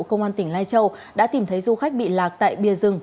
công an tỉnh lai châu đã tìm thấy du khách bị lạc tại bìa rừng